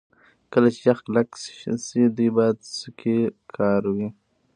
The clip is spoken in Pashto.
کله چې یخ کلک شي دوی بیا سکي کاروي